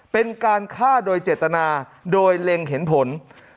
เป็นการฆ่าโดยเจตนาโดยเล็งเห็นผล